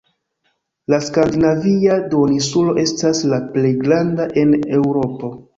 La Skandinavia duoninsulo estas la plej granda en Eŭropo.